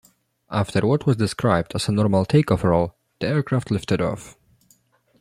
After what was described as a normal takeoff roll, the aircraft lifted off.